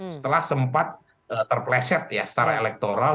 setelah sempat terpleset ya secara elektoral